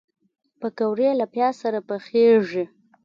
پکورې له پیاز سره پخېږي